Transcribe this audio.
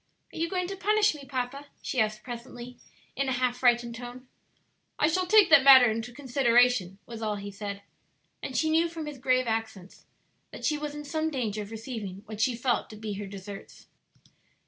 "Are you going to punish me, papa?" she asked presently, in a half frightened tone. "I shall take that matter into consideration," was all he said, and she knew from his grave accents that she was in some danger of receiving what she felt to be her deserts.